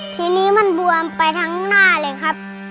ทีนี้มันบวมไปทั้งหน้าเลยครับ